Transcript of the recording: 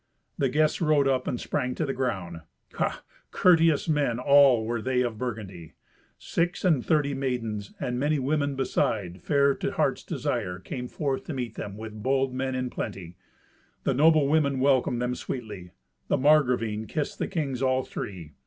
The guests rode up and sprang to the ground. Ha! courteous men all were they of Burgundy! Six and thirty maidens and many women beside, fair to heart's desire, came forth to meet them, with bold men in plenty. The noble women welcomed them sweetly. The Margravine kissed the kings all three.